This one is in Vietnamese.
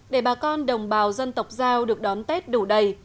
để bà con đồng bào dân tộc giao được đón tết đủ đầy